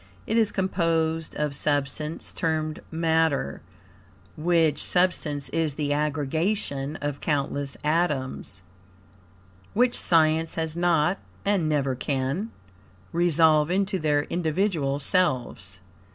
It is composed of substance termed matter, which substance is the aggregation of countless atoms, which science has not, and never can, resolve into their individual selves.